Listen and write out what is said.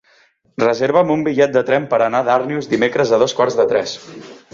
Reserva'm un bitllet de tren per anar a Darnius dimecres a dos quarts de tres.